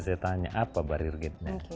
saya tanya apa barir gate nya